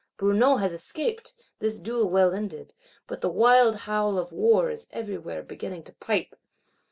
Brunout has escaped, this duel well ended: but the wild howl of war is everywhere beginning to pipe!